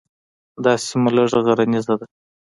دا سیمه لږه غرنیزه ده.